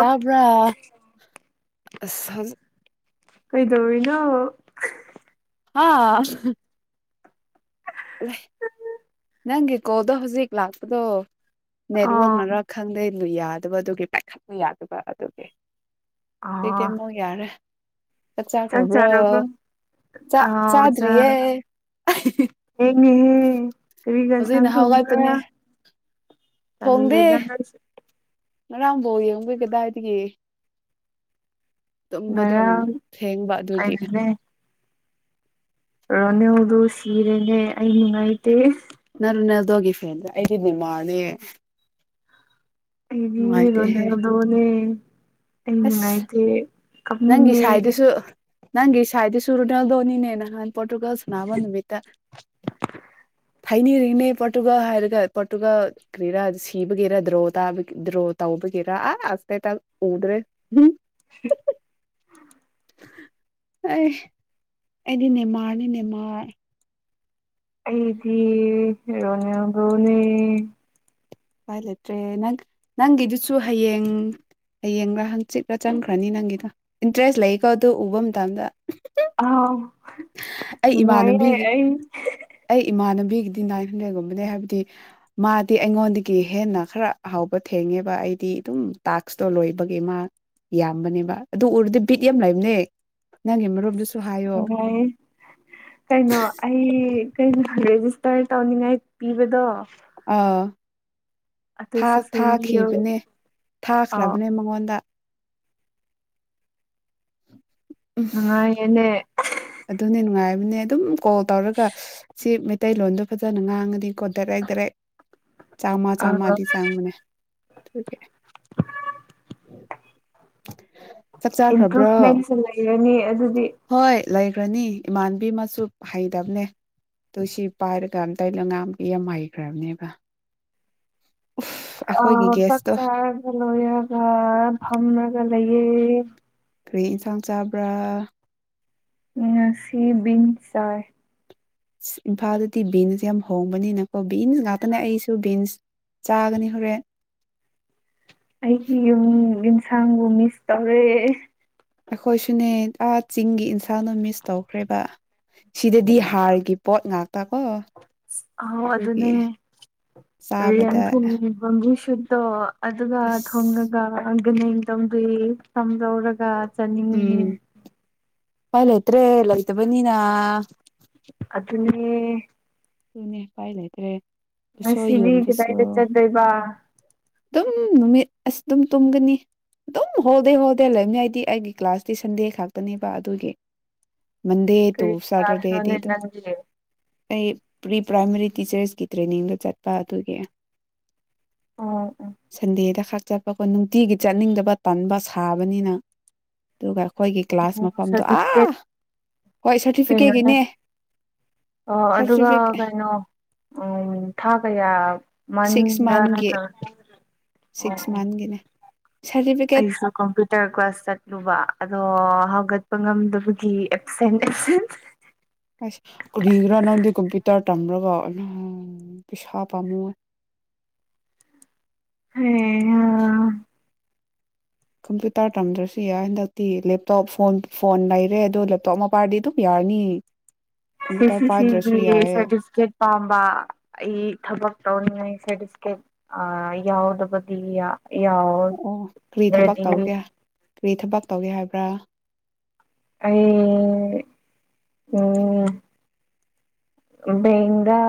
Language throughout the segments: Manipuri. ꯑꯞ ꯑꯁ ꯍꯧꯖꯤꯛ ꯀꯩꯗꯧꯔꯤꯅꯣ ꯍꯥꯥ ꯅꯪꯒꯤꯀꯣꯜꯗꯣ ꯍꯧꯖꯤꯛ ꯂꯥꯛꯄꯗꯣ ꯅꯦꯠꯋꯥꯛ ꯑꯥ ꯅꯔ ꯈꯪꯗꯦ ꯌꯥꯗꯕ ꯑꯗꯨꯒꯤ ꯄꯥꯏꯈꯠꯄ ꯌꯥꯗꯕ ꯑꯗꯨꯒꯤ ꯍꯧꯖꯤꯛꯇꯤ ꯑꯥ ꯑꯃꯨꯛ ꯌꯥꯔꯦ ꯆꯥꯛ ꯆꯥꯈ꯭ꯔꯕ꯭ꯔꯣ ꯆꯥꯛ ꯑꯥꯎ ꯆꯥꯗ꯭ꯔꯤꯌꯦ ꯊꯦꯡꯉꯤꯍꯦ ꯀꯔꯤ ꯌꯦꯟꯁꯥꯡ ꯍꯧꯖꯤꯛꯅ ꯊꯣꯡꯕꯔꯥ ꯍꯧꯒꯠꯄꯅꯦ ꯊꯣꯡꯗꯦ ꯇꯜꯂꯦꯗ ꯅꯪꯁꯦ ꯉꯔꯥꯡ ꯕꯣꯜ ꯌꯦꯡꯕꯩ ꯀꯗꯥꯏꯗꯒꯤ ꯇꯨꯝꯕ ꯑꯗꯨꯝ ꯉꯔꯥꯡ ꯊꯦꯡꯕ ꯑꯗꯨꯒꯤ ꯀꯩꯅꯣꯅꯦ ꯔꯣꯅꯦꯜꯗꯣ ꯁꯤꯔꯦꯅꯦ ꯑꯩ ꯅꯨꯉꯥꯏꯇꯦ ꯅꯪ ꯔꯣꯅꯥꯜꯗꯣꯒꯤ ꯐꯦꯟ ꯗ ꯑꯩꯗꯤ ꯅꯦꯃꯥꯔꯅꯦ ꯑꯩꯗꯤ ꯅꯨꯡꯉꯥꯏꯇꯦꯍꯦ ꯔꯣꯅꯥꯜꯗꯣꯅꯦ ꯑꯩ ꯑꯁ ꯅꯨꯡꯉꯥꯏꯇꯦ ꯅꯪꯒꯤ ꯀꯞꯅꯤꯡꯉꯦ ꯁꯥꯏꯗꯨꯁꯨ ꯅꯪꯒꯤ ꯁ꯭ꯋꯥꯏꯗꯤ ꯁꯨꯔꯨꯅꯦꯜꯗꯣꯅꯤꯅꯦ ꯅꯍꯥꯟ ꯄꯣꯔꯇꯨꯒꯜ ꯁꯅꯥꯅꯕ ꯅꯨꯃꯤꯠꯇ ꯍꯥꯏꯅꯔꯤꯅꯦ ꯄꯣꯔꯇꯨꯒꯜ ꯍꯥꯏꯔꯒ ꯄꯣꯔꯇꯨꯒꯜ ꯀꯔꯤꯔꯥ ꯁꯤꯕꯒꯤꯦꯔ ꯗ꯭ꯔꯣ ꯗ꯭ꯔꯣ ꯇꯧꯕꯒꯤꯦꯔ ꯑꯥ ꯑꯇꯇ ꯎꯗ꯭ꯔꯦ [unintelligible] ꯑꯦ ꯑꯦꯗꯤ ꯅꯦꯃꯥꯔꯅꯤ ꯅꯦꯃꯥꯔ ꯑꯩꯗꯤ ꯔꯣꯅꯥꯜꯗꯣꯅꯦ ꯎꯄꯥꯏ ꯂꯩꯇ꯭ꯔꯦ ꯅꯪ ꯅꯪꯒꯤꯗꯨꯁꯨ ꯍꯌꯦꯡ ꯍꯌꯦꯡꯒ ꯍꯪꯆꯤꯠꯂꯥ ꯆꯟꯈ꯭ꯔꯅꯤ ꯅꯪꯒꯤꯗꯣ ꯏꯟꯇꯔꯦꯁ ꯂꯩꯀꯣ ꯑꯗꯨꯣ ꯎꯕ ꯃꯇꯝꯗ ꯑꯥꯎ ꯑꯩ ꯅꯨꯡꯉꯥꯏꯌꯦ ꯏꯃꯥꯟꯅꯕꯤꯒꯤ ꯑꯩ ꯑꯩ ꯏꯃꯥꯟꯅꯕꯤꯒꯤꯗꯤ ꯅꯥꯏꯟ ꯍꯟꯗ꯭ꯔꯦꯗꯒꯨꯝꯕꯅꯦ ꯍꯥꯏꯕꯗꯤ ꯃꯥꯗꯤ ꯑꯩꯉꯣꯟ ꯒꯤ ꯍꯦꯟꯅ ꯈꯔ ꯑ ꯍꯥꯎꯕ ꯊꯦꯡꯉꯦꯕ ꯑꯩꯗꯤ ꯑꯗꯨꯝ ꯇꯥꯛꯁꯇꯣ ꯂꯣꯏꯕꯒꯤ ꯃꯥ ꯌꯥꯝꯕꯅꯦꯕ ꯑꯗꯨ ꯎꯔꯗꯤ ꯕꯤꯠ ꯌꯥꯝ ꯂꯩꯕꯅꯦ ꯅꯪꯒꯤ ꯃꯔꯨꯞꯗꯨꯁꯨ ꯍꯥꯏꯌꯣ ꯑꯁ ꯀꯩꯅꯣ ꯑꯩ ꯀꯩꯅꯣ ꯏꯇꯥꯏ ꯇꯥꯎꯅꯤꯡꯉꯥꯏ ꯄꯤꯕꯗꯣ ꯑꯗꯨꯁꯨ ꯑꯥ ꯁꯦꯝꯕꯤꯌꯣ ꯊꯥꯈꯤꯕꯅꯦ ꯑꯥꯎ ꯊꯥꯈ꯭ꯔꯕꯅꯦ ꯃꯉꯣꯟꯗ ꯎꯝ ꯅꯨꯡꯉꯥꯏꯌꯦꯅꯦ ꯑꯗꯨꯅꯦ ꯅꯨꯡꯉꯥꯏꯕꯅꯦ ꯑꯗꯨꯝ ꯀꯣꯜ ꯇꯧꯔꯒ ꯁꯤ ꯃꯩꯇꯩꯂꯣꯟꯗꯣ ꯐꯖꯅ ꯉꯥꯡꯉꯗꯤꯀꯣ ꯗꯔꯦꯛ ꯗꯔꯦꯛ ꯆꯥꯝꯃꯥ ꯑꯥ ꯆꯥꯝꯃꯗꯤ ꯆꯪꯕꯅꯦ [unintelligible] ꯆꯥꯈ꯭ꯔꯕ꯭ꯔꯣ ꯏꯝꯄ꯭ꯔꯨꯚꯃꯦꯟꯁꯨꯦ ꯂꯩꯔꯅꯤ ꯑꯗꯨꯗꯤ ꯍꯣꯏ ꯂꯩꯈ꯭ꯔꯅꯤ ꯏꯃꯥꯟꯕꯤ ꯃꯆ ꯍꯩꯇꯕꯅꯦ ꯑꯗꯨꯣꯏ ꯁꯤ ꯄꯥꯏꯔꯒ ꯑꯝꯇ ꯅꯉꯥꯝꯒꯤ ꯌꯥꯝ ꯍꯩꯈ꯭ꯔꯕꯅꯦꯕ ꯎꯐ ꯑ ꯑꯩꯈꯣꯏꯒꯤ ꯆꯥꯛ ꯒꯦꯁꯇꯣ ꯆꯂꯣꯒ ꯐꯝꯅꯒ ꯂꯩꯌꯦ ꯀꯔꯤ ꯌꯦꯟꯁꯥꯡ ꯆꯥꯕ꯭ꯔꯥ ꯎ ꯁꯤꯤꯟ ꯁꯔ ꯏꯝꯐꯥꯜꯗꯗꯤ ꯕꯤꯟꯁ ꯌꯥꯝ ꯍꯣꯡꯕꯅꯤꯅꯀꯣ ꯕꯤꯟꯁ ꯉꯥꯛꯇꯅꯦ ꯑꯩꯁꯨ ꯕꯤꯟꯁ ꯆꯥꯒꯅꯤ ꯍꯣꯔꯦꯟ ꯑꯩ ꯁꯒꯨ ꯃꯤꯁ ꯇꯧꯔꯦ ꯑꯩꯈꯣꯏꯁꯨꯅꯦ ꯑꯥ ꯆꯤꯡꯒꯤ ꯏꯟꯁꯥꯡꯅ ꯃꯤꯁ ꯇꯧꯈ꯭ꯔꯦꯕ ꯁꯤꯗꯗꯤ ꯍꯥꯔꯒꯤ ꯄꯣꯠ ꯉꯥꯛꯇꯀꯣ ꯑꯥꯎ ꯑꯗꯨꯒꯤ ꯑꯗꯨꯅꯦ ꯔꯦꯟ ꯆꯥꯕꯗ ꯊꯣꯡꯕꯝꯕꯤ [unintelligible] ꯑꯗꯨꯒ ꯑꯁ ꯊꯣꯡꯉꯒ ꯇꯗꯤ ꯂꯧꯧꯔꯒ ꯆꯅꯤꯡ ꯑꯂꯥꯏꯇ꯭ꯔꯦ ꯂꯣꯏꯇꯕꯅꯤꯅ ꯑꯗꯨ ꯑꯗꯨꯅꯦ ꯁꯨꯅꯤ ꯄꯥꯏ ꯂꯩꯥꯏꯇ꯭ꯔꯦ ꯉꯁꯤꯗꯤ ꯀꯗꯥꯏꯗ ꯆꯠꯗꯣꯏꯕ ꯑꯗꯨꯝ ꯅꯨꯃꯤꯠꯁ ꯑꯗꯨꯝ ꯇꯨꯝꯒꯅꯤ ꯑꯗꯨꯝ ꯍꯣꯜꯗꯦ ꯍꯣꯜꯗꯦ ꯂꯩꯕꯅꯤꯏꯗꯤ ꯑꯩꯒꯤ ꯀ꯭ꯂꯥꯁꯇꯤ ꯁꯟꯗꯦ ꯈꯥꯛꯇꯅꯦꯕ ꯑꯗꯨꯒꯤ ꯃꯟꯗꯦ ꯇ ꯀꯔꯤ ꯁꯇꯔꯗꯦꯗꯤ ꯀ꯭ꯂꯥꯁꯅꯣꯅꯦ ꯑꯗꯨ ꯅꯪꯒꯤ ꯑꯩ ꯄ꯭ꯔꯤ ꯄ꯭ꯔꯥꯏꯃꯔꯤ ꯇꯤꯆꯔꯁꯀꯤ ꯇ꯭ꯔꯦꯅꯤꯡꯗ ꯆꯠꯄ ꯑꯗꯨꯒꯤ ꯑꯣ ꯁꯗꯦꯗ ꯈ ꯆꯠꯄ ꯑꯩ ꯅꯨꯡꯇꯤꯒꯤ ꯆꯠꯅꯤꯡꯗꯕ ꯇꯟꯕ ꯁꯥꯕꯅꯤꯅ ꯑꯗꯨꯒ ꯑꯩꯈꯣꯏꯒꯤ ꯀ꯭ꯂꯥꯁ ꯑꯣ ꯃꯐꯝꯗꯣ ꯑꯥ ꯁꯥꯔꯇꯤꯐꯤꯀꯦꯠ ꯍꯣꯏ ꯀꯩꯅꯣꯅꯦ ꯁꯥꯔꯇꯤꯐꯤꯀꯦꯠꯒꯤꯅꯦ ꯑꯣ ꯑꯗꯨꯒ ꯀꯩꯅꯣ ꯎ ꯊꯥ ꯀꯌꯥ ꯁꯤꯛꯁ ꯃꯟꯗ ꯑꯣ ꯃꯟꯒꯤ ꯁꯤꯛꯁ ꯑꯣ ꯃꯟꯒꯤꯅꯦ ꯁꯥꯔꯇꯤꯐꯤꯀꯦꯠ ꯑꯩꯁꯨ ꯀꯝꯄꯌꯨꯇꯔ ꯀ꯭ꯂꯥꯁ ꯆꯠꯂꯕ ꯑꯗꯨ ꯑꯣ ꯍꯧꯒꯠꯄ ꯉꯝꯗꯕꯒꯤ ꯑꯦꯞꯁꯦꯟ ꯑꯦꯞꯦꯟ ꯑꯁ ꯀꯔꯤꯒ꯭ꯔꯥ ꯅꯪꯗꯤ ꯀꯝꯄ꯭ꯌꯨꯇꯔ ꯇꯝꯂꯒ ꯅꯪ ꯄꯩꯁꯥ ꯄꯥꯝꯃꯨ ꯍ ꯑ ꯀꯝꯄ꯭ꯌꯨꯇꯔ ꯇꯝꯗ꯭ꯔꯁꯨ ꯌꯥꯏ ꯍꯟꯗꯛꯇꯤ ꯂꯦꯞꯇꯣꯞ ꯐꯣꯟ ꯐꯣꯟ ꯂꯩꯔꯦ ꯑꯗꯣ ꯂꯦꯞꯇꯣꯞ ꯑꯃ ꯄꯥꯏꯔꯗꯤ ꯑꯗꯨꯝ ꯌꯥꯔꯅꯤ ꯁꯤ ꯀꯝꯄ꯭ꯌꯨꯇꯔ ꯁꯤ ꯄꯥꯏꯗ꯭ꯔꯁꯨ ꯁꯤꯕꯤ ꯌꯥꯏꯌꯦ ꯁꯔꯇꯤꯐꯦꯠ ꯑꯄꯥꯝꯕ ꯑꯩ ꯊꯕꯛ ꯇꯧꯅꯤꯡꯉꯥꯏ ꯁꯥꯔꯇꯐꯀꯦꯞ ꯌꯥꯎꯗꯕꯗꯤ ꯌꯥꯎ ꯑꯣ ꯀꯔꯤ ꯊꯕꯛ ꯗꯗꯤ ꯇꯧꯒꯦ ꯀꯔꯤ ꯊꯕꯛ ꯇꯧꯒꯦ ꯍꯥꯏꯕ꯭ꯔꯥ ꯑꯩ ꯎꯝ ꯕꯦꯡꯗ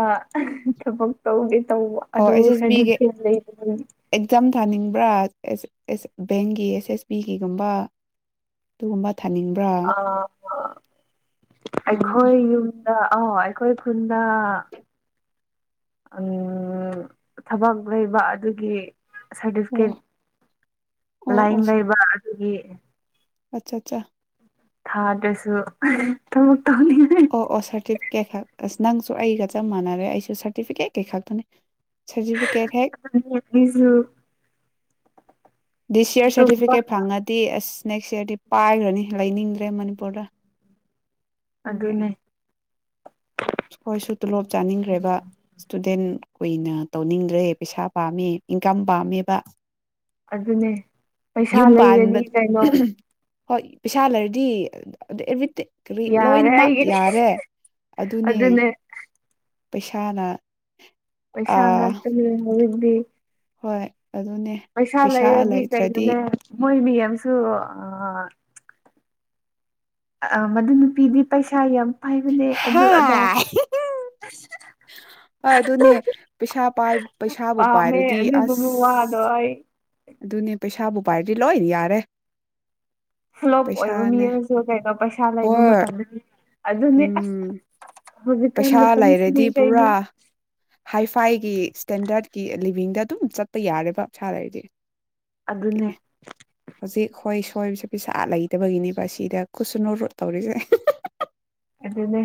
ꯊꯕꯛ ꯇꯧꯒꯦ ꯇꯧꯕ ꯑꯣ ꯑꯗꯨ ꯑꯩꯁ ꯑꯦꯁ ꯕꯤꯒꯤ ꯁꯥꯔꯇꯤꯐꯤꯀꯦꯠ ꯂꯩꯕꯗꯒꯤ ꯑꯦꯛꯖꯥꯝ ꯊꯥꯅꯤꯡꯕ ꯭ꯔꯥ ꯕꯦꯡꯒꯤ ꯑꯦꯁ ꯑꯦꯁ ꯕꯤꯒꯤꯒꯨꯝ ꯑꯗꯨꯒ ꯑ ꯑꯣ ꯑꯩꯈꯣꯏ ꯌꯨꯝꯗ ꯑ ꯑꯩꯈꯣꯏ ꯈꯨꯜꯗ ꯊꯕꯛ ꯂꯩꯕ ꯑꯗꯨꯒꯤ ꯑꯣ ꯁꯔꯇꯤꯐꯤꯀꯦꯠ ꯂꯥꯏꯟ ꯂꯩꯕ ꯑꯗꯨꯒꯤ ꯎ ꯑꯆꯥ ꯑꯆꯥ ꯊꯥꯗ꯭ꯔꯁꯨ ꯊꯕꯛ ꯑꯣ ꯑꯣ ꯁꯔꯇꯤꯐꯤ ꯀꯦꯠ ꯈꯛ ꯑꯁ ꯅꯪꯁꯨ ꯑꯩꯒ ꯆꯞ ꯃꯥꯟꯅꯔꯦ ꯑꯩꯁꯨ ꯁꯥꯔꯇꯤꯐꯤꯀꯦꯠ ꯀꯤ ꯈꯛꯇꯅꯤ ꯁꯥꯔꯇꯤꯐꯤꯀꯦꯠ ꯍꯦꯛ [inaudible] ꯗꯤ ꯁꯤ ꯑꯥꯔ ꯇꯨꯝꯕ ꯁꯥꯔꯇꯤꯐꯤꯀꯦꯠ ꯐꯪꯉꯗꯤ ꯑꯁ ꯅꯦꯛꯁ ꯏꯌꯥꯔꯗꯤ ꯄꯥꯏꯈ꯭ꯔꯅꯤ ꯂꯩꯅꯤꯡꯗ꯭ꯔꯦ ꯃꯅꯤꯄꯨꯔꯗ ꯑꯗꯨꯒꯤ ꯑꯗꯨꯅꯦ ꯑꯩꯈꯣꯏꯁꯨ ꯇꯣꯂꯣꯞ ꯆꯥꯅꯤꯡꯈ꯭ꯔꯦꯕ ꯏꯁꯇꯨꯗꯦꯟ ꯀꯨꯏꯅ ꯇꯧꯅꯤꯡꯗ꯭ꯔꯦ ꯄꯩꯁꯥ ꯄꯥꯝꯃꯦ ꯏꯟꯀꯝ ꯄꯥꯝꯃꯦꯕ ꯑꯗꯨꯅꯦ ꯄꯩꯁꯥ ꯌꯨꯝ ꯂꯩꯔꯅꯤ ꯄꯥꯟꯕ ꯀꯩꯅꯣ ꯍꯣꯏ ꯄꯩꯁꯥ ꯂꯩꯔꯗꯤ ꯑꯗ ꯑꯦꯕ꯭ꯔꯤ ꯇꯤꯠ ꯀꯔꯤ ꯌꯥꯔꯦ ꯂꯣꯏꯅꯃꯛ ꯑꯩꯒꯤꯗꯤ ꯌꯥꯔꯦ ꯑꯗꯨꯅꯦ ꯄꯩꯁꯥꯅ ꯄꯩꯁꯥ ꯑꯥ ꯉꯥꯛꯇꯅꯦ ꯗꯤ ꯍꯣꯏ ꯑꯗꯨꯅꯦ ꯄꯩꯁꯥ ꯂꯩꯔꯗꯤ ꯂꯩꯇ꯭ꯔꯗꯤ ꯀꯩꯅꯣꯅꯦ ꯈꯣꯏ ꯃꯌꯥꯝꯁꯨ ꯑ ꯑ ꯃꯗꯨ ꯅꯨꯄꯤꯗꯤ ꯄꯩꯁꯥ ꯌꯥꯝ ꯄꯥꯏꯕꯅꯦ ꯑꯗꯨ ꯑꯗꯥ ꯍꯥ ꯍꯣꯏ ꯑꯗꯨꯅꯦ ꯄꯩꯁꯥ ꯄꯥꯏ ꯄꯩꯁꯥꯕꯨ ꯄꯥꯝꯃꯦ ꯄꯥꯏꯔꯗꯤ ꯑꯗꯨꯗꯨꯒꯤ ꯋꯥꯗꯣ ꯑꯁ ꯑꯩ ꯑꯗꯨꯅꯦ ꯄꯩꯁꯥꯕꯨ ꯄꯥꯏꯗꯤ ꯂꯣꯏ ꯌꯥꯔꯦ ꯐ꯭ꯂꯣꯞ ꯑꯣꯏꯕ ꯃꯤ ꯄꯩꯁꯥꯅꯦ ꯑꯃꯁꯨ ꯀꯩꯗꯣ ꯄꯩꯁꯥ ꯂꯩꯕ ꯍꯣꯏ ꯃꯇꯝꯗꯗꯤ ꯑꯗꯨꯅꯦ ꯑꯁ ꯎꯝ ꯍꯧꯖꯤꯛꯀꯥꯟ ꯄꯩꯁꯥ ꯂꯩꯔꯗꯤ ꯃꯇꯝꯁꯤꯗꯤ ꯀꯩꯅꯣ ꯄꯨꯔꯥ ꯍꯥꯏ ꯐꯥꯏꯒꯤ ꯁ꯭ꯇꯦꯟꯗꯔꯠꯀꯤ ꯂꯤꯕꯤꯡꯗ ꯑꯗꯨꯝ ꯆꯠꯄ ꯌꯥꯔꯦꯕ ꯄꯩꯁꯥ ꯂꯩꯔꯗꯤ ꯑꯗꯨꯅꯦ ꯍꯧꯖꯤꯛ ꯍꯣꯏ ꯑꯩꯈꯣꯏꯁꯨ ꯄꯩꯁꯥ ꯂꯩꯇꯕꯒꯤꯅꯦꯕ ꯁꯤꯗ ꯀꯨꯠꯁꯨꯅ ꯔꯨꯠ ꯇꯧꯔꯤꯁꯦ ꯑꯗꯨꯅꯦ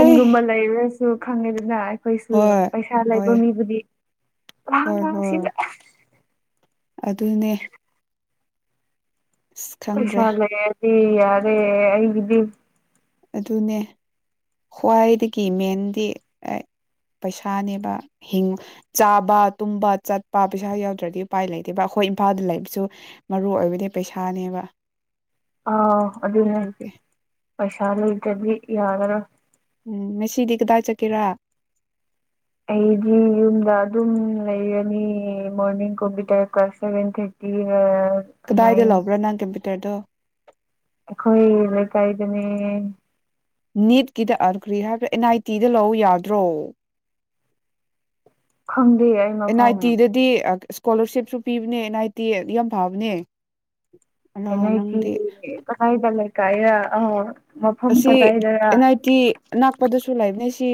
ꯑꯩ ꯂꯩꯔꯦ ꯈꯪꯉꯦꯗꯅ ꯑꯩꯈꯣꯏꯁꯨ ꯍꯣꯏ ꯄꯩꯁꯥ ꯍꯣꯏ ꯂꯩꯕ ꯃꯤꯕꯨꯗꯤ ꯍꯣꯏ ꯑꯥꯡ ꯍꯣꯏ ꯁꯤꯗ ꯑꯗꯨꯅꯦ ꯑꯁ ꯈꯪꯗ꯭ꯔꯦ ꯁꯤ ꯌꯥꯔꯦ ꯑꯩꯒꯤꯗꯤ ꯑꯗꯨꯅꯦ ꯈ꯭ꯋꯥꯏꯗꯒꯤ ꯃꯦꯟꯗꯤ ꯄꯩꯁꯥꯅꯦꯕ ꯍꯤꯡ ꯆꯥꯕ ꯇꯨꯝꯕ ꯆꯠꯄ ꯄꯩꯁꯥ ꯌꯥꯎꯗ꯭ꯔꯗꯤ ꯎꯄꯥꯏ ꯂꯩꯇꯦꯕ ꯑꯩꯈꯣꯏ ꯏꯝꯐꯥꯜꯗ ꯂꯩꯕꯁꯨ ꯃꯔꯨꯑꯣꯏ ꯑꯣꯏꯕꯗꯤ ꯄꯩꯁꯥꯅꯦꯕ ꯑ ꯑꯗꯨꯅꯦ ꯑꯗꯨꯒꯤ ꯄꯩꯁꯥ ꯂꯩꯇ꯭ꯔꯗꯤ ꯌꯥꯔꯔꯣꯏ ꯎꯝ ꯉꯁꯤꯗꯤ ꯀꯗꯥꯏ ꯆꯠꯀꯦꯔꯥ ꯑꯩꯗꯤ ꯌꯨꯝꯗ ꯑꯗꯨꯝ ꯂꯩꯔꯅꯤꯌꯦ ꯃꯣꯔꯅꯤꯡ ꯀꯝꯄꯨꯇꯔ ꯀ꯭ꯂꯥꯁ ꯁꯕꯦꯟ ꯊꯔꯇꯤꯅꯦ ꯀꯗꯥꯏꯗ ꯂꯧꯕ꯭ꯔꯥ ꯅꯪ ꯀꯝꯄꯤ ꯇꯔꯗꯣ ꯑꯩꯈꯣꯏ ꯂꯩ ꯀꯥꯏꯗꯅꯦ ꯅꯤꯠꯀꯤꯗ ꯑꯟꯈ꯭ꯔꯤ ꯍꯥꯏꯕ꯭ꯔ ꯑꯦꯟ ꯑꯥꯏ ꯇꯤꯗ ꯂꯧꯎ ꯌꯥꯗ꯭ꯔꯣ ꯈꯪꯗꯦ ꯑꯩ ꯑꯦꯟ ꯑꯥꯏ ꯃꯐꯝ ꯇꯤꯗꯗꯤ ꯏꯁꯀꯣꯂꯔꯁꯤꯞꯁꯨ ꯄꯤꯕꯅꯦ ꯑꯟ ꯅꯥꯏ ꯇꯤ ꯗ ꯌꯥꯝ ꯐꯕꯅꯦ ꯑꯂꯥ ꯑꯦ ꯅꯥꯏ ꯇꯤ ꯅꯪꯗꯤ ꯀꯗꯥꯏꯗ ꯂꯩ ꯀꯥꯏꯔ ꯑꯣ ꯑꯁꯤ ꯑꯦꯟ ꯑꯥꯏ ꯇꯤ ꯑꯅꯛꯄꯗꯁꯨ ꯂꯩꯕꯅꯦ ꯁꯤ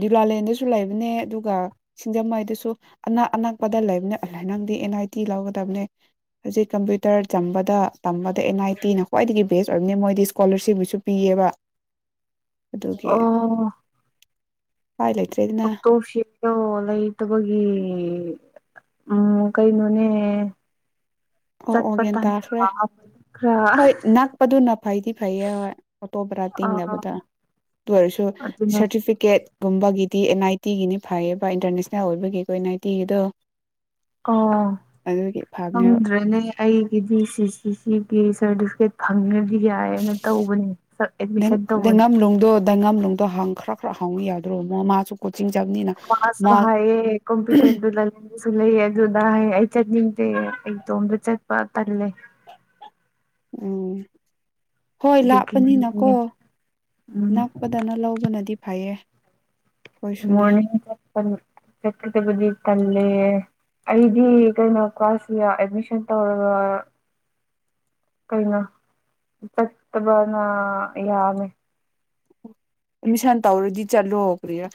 ꯗꯨꯂꯥꯂꯦꯟꯗꯁꯨ ꯂꯩꯕꯅꯦ ꯑꯗꯨꯒ ꯁꯤꯡꯖꯃꯩꯗꯁꯨ ꯑꯅꯛ ꯑꯅꯛꯄꯗ ꯂꯩꯕꯅꯦ ꯅꯪꯗꯤ ꯑꯦꯟ ꯑꯥꯏ ꯇꯤ ꯂꯧꯒꯗꯕꯅꯦ ꯍꯧꯖꯤꯛ ꯀꯝꯄ꯭ꯌꯨꯇꯔ ꯇꯝꯕꯗ ꯑꯦꯟ ꯑꯥꯏ ꯇꯤꯅ ꯈ꯭ꯋꯥꯏꯗꯒꯤ ꯕꯦꯁ ꯑꯣꯏꯕꯅꯤ ꯃꯣꯏꯗꯤ ꯏꯁꯀꯣꯂꯔꯁꯤꯞꯁꯨ ꯄꯤꯌꯦꯕ ꯑꯗꯨꯒꯤ ꯑꯣ ꯎꯄꯥꯏ ꯂꯩꯇ꯭ꯔꯦꯗꯅ ꯑꯣꯇꯣ ꯁꯦꯜꯗꯣ ꯂꯩꯇꯕꯒꯤ ꯎꯝ ꯀꯩꯅꯣꯅꯦ ꯑꯣ ꯑꯣ ꯆꯠꯄ ꯒꯌꯥꯟ ꯇꯥꯈ꯭ꯔꯦ ꯇꯟꯕ ꯈꯔ ꯍꯣꯏ ꯅꯛꯄꯗꯨꯅ ꯐꯩꯗꯤ ꯐꯩꯌꯦ ꯍꯣꯏ ꯑꯣꯇꯣꯕꯔꯥ ꯑꯥ ꯇꯤꯡꯗꯅꯕꯗ ꯑꯗꯨ ꯑꯣꯏꯔꯁꯨ ꯑꯗꯨꯅꯦ ꯁꯥꯔꯇꯤꯐꯤꯀꯦꯠ ꯒꯨꯝꯕꯒꯤꯗꯤ ꯑꯦꯟ ꯑꯥꯏ ꯇꯤꯒꯤꯅꯤ ꯐꯩꯌꯦꯕ ꯏꯟꯇꯔꯅꯦꯁꯅꯦꯜ ꯑꯣꯏꯕꯒꯤꯀꯣ ꯑꯦꯟ ꯑꯥꯏ ꯇꯤꯒꯤꯗꯣ ꯑꯣ ꯑꯗꯨꯒꯤ ꯐꯕꯅꯦ ꯈꯪꯗ꯭ꯔꯦꯅꯦ ꯑꯩꯒꯤꯗꯤ ꯁꯤ ꯁꯤ ꯁꯤꯒꯤ ꯁꯥꯔꯇꯤꯐꯤꯀꯦꯠ ꯐꯪꯉꯦ ꯗꯤ ꯌꯥꯏꯅ ꯇꯧꯕꯅꯤ ꯑꯦꯗꯃꯤꯁꯟ ꯇꯧꯕꯅꯤ ꯑꯣ ꯍ ꯍꯪꯈꯔ ꯈꯔ ꯍꯥꯎꯉꯤ ꯌꯥꯗ꯭ꯔꯣ ꯃꯥꯁꯨ ꯀꯣꯆꯤꯡ ꯆꯠꯕꯅꯤꯅ ꯃꯥꯁ ꯃꯥ ꯍꯦ ꯀꯣꯝꯄꯤ ꯇꯗꯁꯨ ꯂꯩ ꯑꯗꯨꯗ ꯆꯠ ꯅꯤꯡꯇꯦ ꯑꯩ ꯇꯣꯝꯕ꯭ꯔ ꯆꯠ ꯄ ꯇꯔꯂꯦ ꯎꯝ ꯍꯣꯏ ꯂꯥꯞꯄꯅꯤꯅꯀꯣ ꯑꯗꯨꯒꯤꯅꯤꯅꯦ ꯎꯝ ꯅꯛꯄꯗꯅ ꯂꯧꯕꯅꯗꯤ ꯐꯌꯦ ꯃꯣꯔꯅꯤꯡ ꯆꯠꯀꯗꯕꯗꯤ ꯄꯜꯂꯦ ꯑꯩꯗꯤ ꯀꯩꯅꯣ ꯀ꯭ꯂꯥꯁꯁꯤ ꯑꯦꯗꯃꯤꯁꯟ ꯇꯧꯔꯒ ꯀꯩꯅꯣ ꯆꯠꯇꯕꯅ ꯌꯥꯝꯃꯦ ꯑꯦꯃꯤꯁꯟ ꯇꯧꯔꯗꯤ ꯆꯠꯂꯣꯈ꯭ꯔꯦꯔꯥ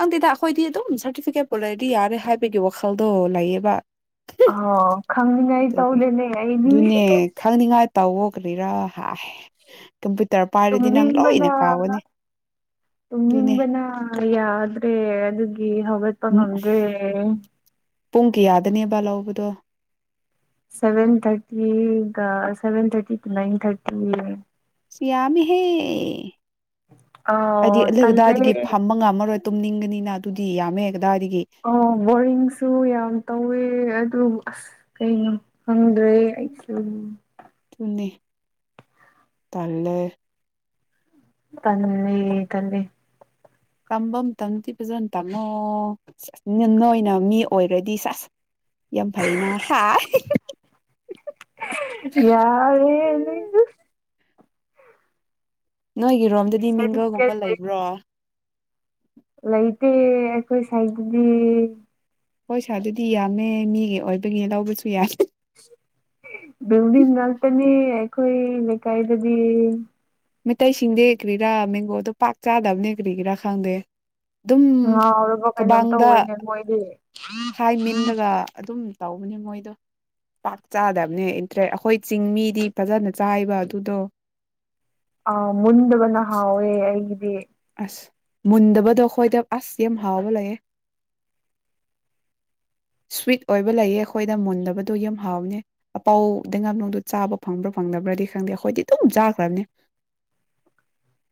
ꯈꯪꯗꯦꯗ ꯑꯩꯈꯣꯏꯗꯤ ꯑꯗꯨꯝ ꯁꯥꯔꯇꯤꯐꯤꯀꯦꯠ ꯄꯨꯜ ꯂꯩꯔꯗꯤ ꯌꯥꯔꯦ ꯍꯥꯏꯕꯒꯤ ꯋꯥꯈꯜꯗꯣ ꯂꯩꯌꯦꯕ ꯑꯣ ꯈꯪꯅꯤꯡꯉꯥꯏ ꯑꯗꯨꯒꯤ ꯇꯧꯗꯦꯅꯦ ꯑꯩꯗꯤ ꯇꯋ ꯀꯔ ꯍꯥꯏꯦ ꯇꯝꯕꯅ ꯑꯗꯨꯅꯦ ꯇꯝꯕꯅ ꯑ ꯑꯗꯨ꯭ꯔꯦ ꯑꯗꯨ ꯍꯒꯄ ꯅꯟ꯭ꯔꯦ ꯄꯨꯡ ꯀꯌꯥꯗꯅꯦꯕꯕꯥ ꯂꯕꯗꯣ ꯁꯚꯦꯟ ꯊꯔꯇꯤ ꯁꯚꯦꯟ ꯊꯔꯇꯤ ꯇ ꯅꯟ ꯊꯔꯇꯤ ꯁꯤꯌꯥꯃꯤ ꯍꯦ ꯍꯥꯏꯗꯤ ꯑꯥꯎ ꯑ ꯇꯜꯂꯦ ꯑꯗꯥꯏꯗꯒꯤ ꯐꯥꯝꯝꯕ ꯉꯝꯃꯔꯣꯏ ꯇꯨꯝꯅꯤꯡꯒꯅꯤꯅ ꯑꯗꯨꯗꯤ ꯌꯥꯝꯃꯦ ꯀꯗꯥꯏꯗꯒꯤ ꯑꯣ ꯕꯣꯔꯤꯡꯁꯨ ꯌꯥꯝ ꯇꯧꯋꯦ ꯑꯗꯨ ꯑꯁ ꯀꯩꯅꯣ ꯈꯪꯗ꯭ꯔꯦ ꯑꯩꯁꯨ ꯇꯂꯦ ꯅꯝ ꯇꯜꯂꯤ ꯇꯝꯐꯝ ꯇꯝꯗꯤ ꯐꯖꯅ ꯇꯥꯉꯣꯁ ꯑꯣꯏꯅ ꯃꯤ ꯑꯣꯏꯔꯗꯤ ꯁꯁ ꯌꯥꯝ ꯐꯩꯅ ꯍꯥꯏ ꯌꯥꯔꯦ ꯅꯣꯏꯒꯤ ꯔꯣꯝꯗꯗꯤ ꯃꯤꯡꯒꯒꯨꯝꯕ ꯁꯥꯔꯇꯤꯐꯤꯀꯦꯠ ꯂꯩꯕ꯭ꯔꯣ ꯂꯩꯇꯦ ꯑꯩꯈꯣꯏ ꯁꯥꯏꯠꯇꯗꯤ ꯍꯣꯏ ꯁꯥꯔ ꯑꯗꯨꯗꯤ ꯌꯥꯝꯃꯦ ꯃꯤꯒꯤ ꯑꯣꯏꯕꯒꯤ ꯂꯧꯕꯁꯨ ꯌꯥꯏ ꯈꯣꯏ ꯂꯩꯦꯀꯥꯏꯗꯗꯤ ꯃꯩꯇꯩꯁꯤꯡꯗ ꯀ꯭ꯔꯤꯔꯥ ꯃꯦꯡꯒꯣꯗꯣ ꯄꯥꯛ ꯆꯥꯗꯕꯅꯦ ꯀ꯭ꯔꯤꯒꯤꯦꯔꯥ ꯈꯪꯗꯦ ꯑꯗꯨꯝ ꯉꯥꯎꯔꯕ ꯀꯩꯅꯣꯝ ꯀꯕꯥꯡꯗ ꯇꯧꯋꯦꯅꯦ ꯃꯣꯏꯗꯤ ꯊꯥꯏ ꯃꯤꯟꯔꯒ ꯑꯗꯨꯝ ꯇꯧꯕꯅꯦ ꯃꯣꯏꯗꯣ ꯄꯥꯛ ꯆꯥꯗꯕꯅꯦ ꯏꯟꯇꯔꯦ ꯑꯩꯈꯣꯏ ꯆꯤꯡ ꯃꯤꯗꯤ ꯐꯖꯅ ꯆꯥꯏꯕ ꯑꯗꯨꯗꯣ ꯑ ꯃꯗꯕꯅ ꯍꯥꯎꯦ ꯎꯝ ꯑꯁ ꯃꯨꯟꯗꯕꯗꯣ ꯑꯩꯈꯣꯏꯗ ꯑꯁ ꯌꯥꯝ ꯍꯥꯎꯕ ꯂꯩꯌꯦ ꯁ꯭ꯋꯤꯠ ꯑꯣꯏꯕ ꯂꯩꯌꯦ ꯑꯩꯈꯣꯏꯗ ꯃꯨꯟꯗꯕꯗꯣ ꯌꯥꯝ ꯍꯥꯎꯕꯅꯦ ꯑꯄꯥꯎꯗꯩ ꯉꯥꯝꯅꯨꯡꯗꯣ ꯆꯥꯕ ꯐꯪꯕ꯭ꯔꯥ ꯐꯪꯗꯕ꯭ꯔꯗꯤ ꯈꯪꯗꯦ ꯑꯩꯈꯣꯏꯗꯤ ꯑꯗꯨꯝ ꯆꯥꯈ꯭ꯔꯕꯅꯦ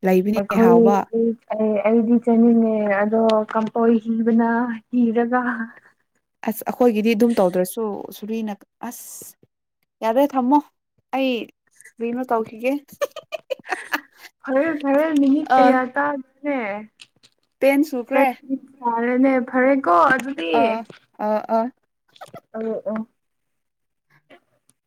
ꯂꯩꯕꯅꯦ ꯑꯩꯈꯣꯏ ꯍꯥꯎꯕ ꯑꯦ ꯑꯩꯗꯤ ꯆꯥꯅꯤꯡꯉꯦ ꯑꯗꯣ ꯀꯝꯄꯣꯏ ꯍꯤꯕꯅ ꯍꯤꯔꯒ ꯑꯁ ꯑꯩꯈꯣꯏꯒꯤꯗꯤ ꯑꯗꯨꯝ ꯇꯧꯗ꯭ꯔꯁꯨ ꯁꯨꯔꯤꯅ ꯑꯁ ꯌꯥꯔꯦ ꯊꯝꯃꯣ ꯑꯩ ꯀꯔꯤꯅꯣ ꯇꯧꯈꯤꯒꯦ ꯐꯔ ꯐꯔ ꯅ ꯑ ꯀꯌꯥ ꯇ ꯍꯦ ꯇꯦꯟ ꯁꯨꯈ꯭ꯔꯦ ꯌꯥꯔꯦꯅꯦ ꯐꯔꯦ ꯀꯣ ꯑꯗꯨꯗꯤ ꯑꯥ ꯑꯥ ꯑꯥ ꯑ ꯑꯣ